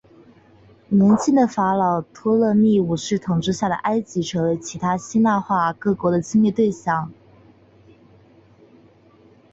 年轻的法老托勒密五世统治下的埃及成为其他希腊化各国的侵略对象。